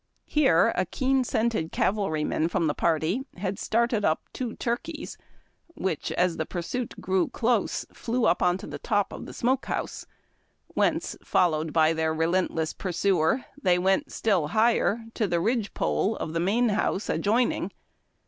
Here a keen scented cavalryman from the party had started up two turkeys, which, as the pursuit grew close, flew up on to the top of the smoke house, whence, followed by their relentless pursuer, they went THE TURKEY HE DIDN T CATCH. still higher, to the ridge pole of the main house adjoining.